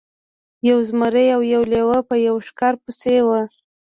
یو زمری او یو لیوه په یوه ښکار پسې وو.